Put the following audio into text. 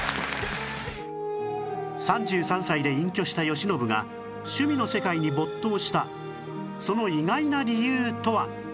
３３歳で隠居した慶喜が趣味の世界に没頭したその意外な理由とは